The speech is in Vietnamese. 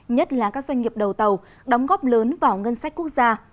nhất là các doanh nghiệp đầu tàu đóng góp lớn vào ngân sách quốc gia